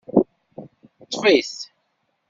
Ṭṭef-it!